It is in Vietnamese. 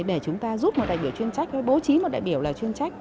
để chúng ta giúp một đại biểu chuyên trách hay bố trí một đại biểu là chuyên trách